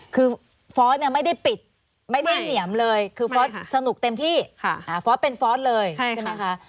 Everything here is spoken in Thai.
คือฟอร์สเนี่ยไม่ได้ปิดไม่ได้เหนียมเลยคือฟอสสนุกเต็มที่ฟอร์สเป็นฟอสเลยใช่ไหมคะ